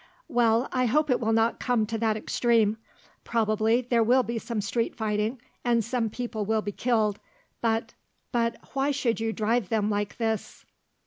"Well, I hope it will not come to that extreme. Probably there will be some street fighting and some people will be killed, but " "But why should you drive them like this?"